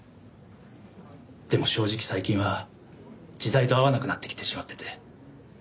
でも正直最近は時代と合わなくなってきてしまってて。